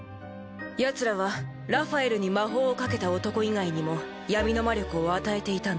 ヤツらはラファエルに魔法をかけた男以外にも闇の魔力を与えていたんだ。